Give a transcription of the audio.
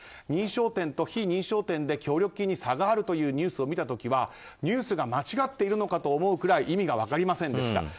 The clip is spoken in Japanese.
認証店と非認証店で協力金に差があるニュースを見た時はニュースが間違っているのかと思うぐらい意味が分かりませんでした。